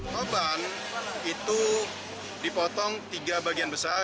korban itu dipotong tiga bagian besar